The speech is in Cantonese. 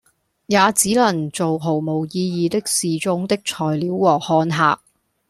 也只能做毫無意義的示衆的材料和看客，